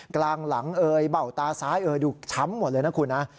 กลางหลังเอ่ยเบ้าตาซ้ายเอ่ยดูช้ำหมดเลยนะคุณนะ